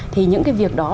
thì những cái việc đó